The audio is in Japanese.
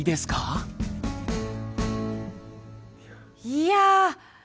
いや。